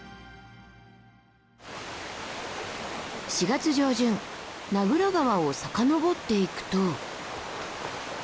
４月上旬名蔵川を遡っていくと。